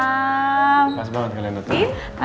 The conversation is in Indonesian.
mas banget kalian dutra